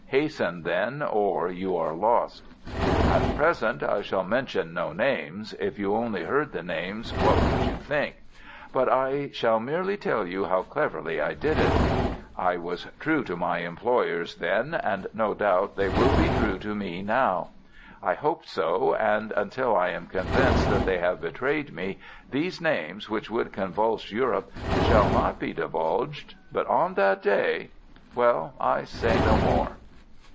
Hasten then, or you are lost! "At present I shall mention no names—if you only heard the names, what would you not think!—but I shall merely tell you how cleverly I did it. I was true to my employers then, and no doubt they will be true to me now. I hope so, and until I am convinced that they have betrayed me, these names, which would convulse Europe, shall not be divulged. But on that day ... well, I say no more!